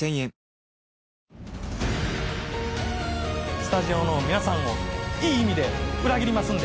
スタジオの皆さんをいい意味で裏切りますんで。